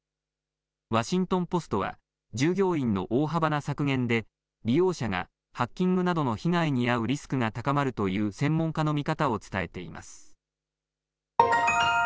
ワシントン・ポストは、従業員の大幅な削減で、利用者がハッキングなどの被害に遭うリスクが高まるという専門家の見方を伝えています。